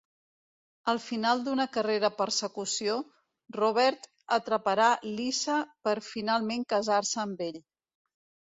Al final d'una carrera-persecució, Robert atraparà Lisa per finalment casar-se amb ell.